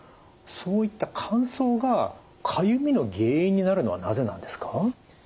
そういった乾燥がかゆみの原因になるのはなぜなんですか？